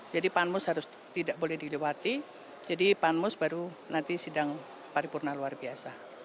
jadi panmus harus tidak boleh dilewati jadi panmus baru nanti sidang paripurna luar biasa